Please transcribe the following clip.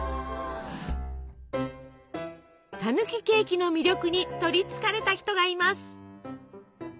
たぬきケーキの魅力に取りつかれた人がいます。